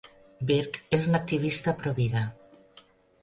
Birk és un activista pro-vida.